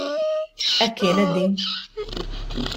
Hekk kienet din.